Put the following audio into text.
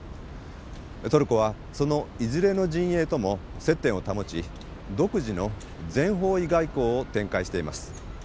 トルコはそのいずれの陣営とも接点を保ち独自の全方位外交を展開しています。